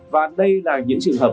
và đây là những trường hợp